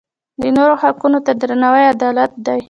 د نورو حقونو ته درناوی عدالت دی.